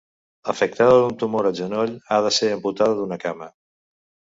Afectada d'un tumor al genoll, ha de ser amputada d'una cama.